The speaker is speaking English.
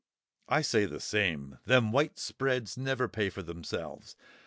I say the same; them white spreads never pay for themselves.